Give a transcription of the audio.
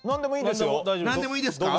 何でもいいですよ。